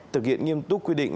thực hiện nghiêm túc quy định